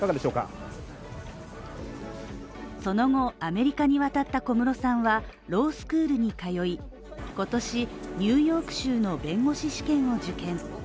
その後、アメリカに渡った小室さんはロースクールに通い今年、ニューヨーク州の弁護士試験を受験。